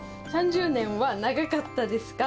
３０年は長かったですか？